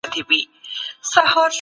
د خلګو رايو ته نه پاملرنه سياست نه دی.